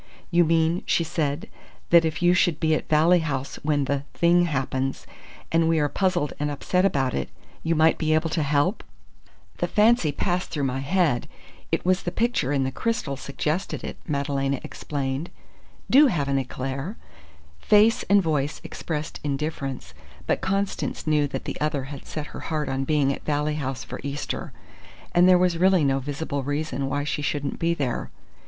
"You mean," she said, "that if you should be at Valley House when the thing happens, and we are puzzled and upset about it, you might be able to help?" "The fancy passed through my head. It was the picture in the crystal suggested it," Madalena explained. "Do have an éclair!" Face and voice expressed indifference; but Constance knew that the other had set her heart on being at Valley House for Easter; and there was really no visible reason why she shouldn't be there.